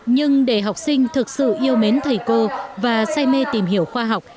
nhưng để học sinh thực sự yêu mến thầy cô và say mê tìm hiểu khoa học